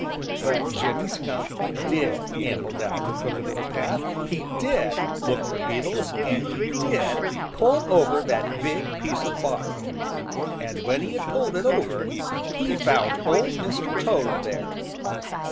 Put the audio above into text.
But Jimmy Skunk did amble down the Crooked Little Path, he did look for beetles, and he did pull over that big piece of bark. And when he had pulled it over, he found Old Mr. Toad there.